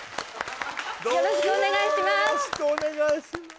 よろしくお願いします